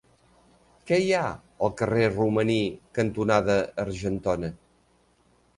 Què hi ha al carrer Romaní cantonada Argentona?